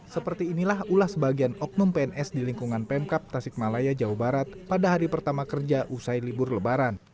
seperti inilah ulah sebagian oknum pns di lingkungan pemkap tasik malaya jawa barat pada hari pertama kerja usai libur lebaran